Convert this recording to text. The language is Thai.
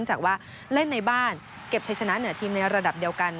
จากว่าเล่นในบ้านเก็บชัยชนะเหนือทีมในระดับเดียวกัน